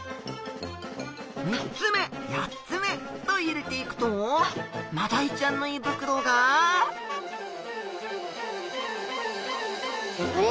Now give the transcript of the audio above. ３つ目４つ目と入れていくとマダイちゃんの胃袋があれ？